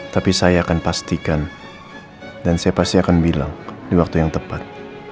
tapi saya akan pastikan dan saya pasti akan bilang di waktu yang tepat